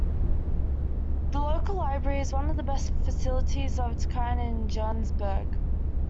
The local library is one of the best facilities of its kind in Johannesburg.